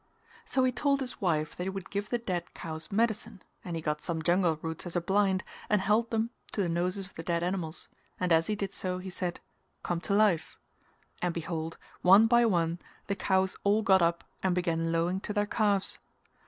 So he told his wife that he would give the dead cows medicine and he got some jungle roots as a blind and held them to the noses of the dead animals and as he did so, he said "Come to life" and, behold, one by one the cows all got up and began lowing to their calves.